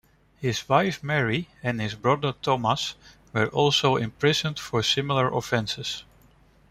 His wife Mary and his brother Thomas were also imprisoned for similar offences.